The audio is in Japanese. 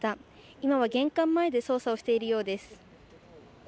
今は玄関前で捜査をしているようです。